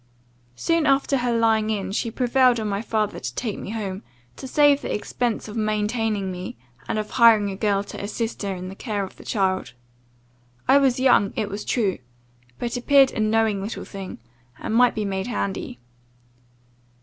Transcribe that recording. "Soon after her lying in, she prevailed on my father to take me home, to save the expense of maintaining me, and of hiring a girl to assist her in the care of the child. I was young, it was true, but appeared a knowing little thing, and might be made handy.